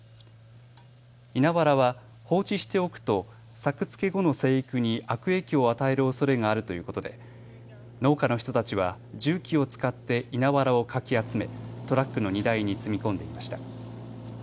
稲わらは放置しておくと作付け後の生育に悪影響を与えるおそれがあるということで農家の人たちは重機を使って稲わらをかき集め、トラックの荷台に積み込んでいました。